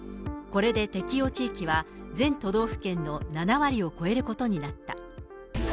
これで適用地域は、全都道府県の７割を超えることになった。